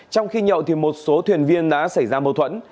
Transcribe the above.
trong khi nhậu thì một số thuyền viên đã xảy ra mâu thuẫn